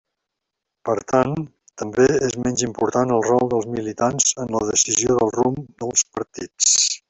Per tant, també és menys important el rol dels militants en la decisió del rumb dels partits.